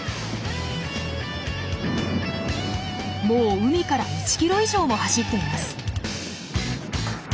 もう海から１ｋｍ以上も走っています。